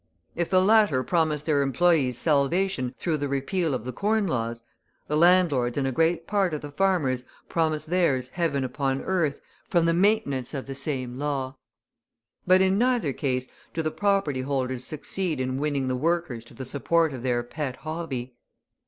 If the latter promise their employees salvation through the repeal of the Corn Laws, the landlords and a great part of the farmers promise theirs Heaven upon earth from the maintenance of the same laws. But in neither case do the property holders succeed in winning the workers to the support of their pet hobby.